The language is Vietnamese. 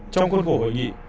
trong khuôn khổ hội nghị